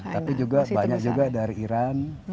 tapi juga banyak juga dari iran